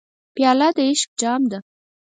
پیاله د عشق جام ده.